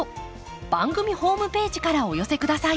番組ホームページからお寄せ下さい。